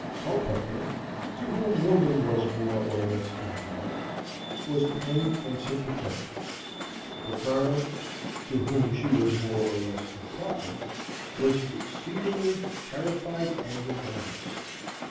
Culpepper, to whom woman was more or less angelic, was pained and sympathetic; the Colonel, to whom she was more or less improper, was exceedingly terrified and embarrassed.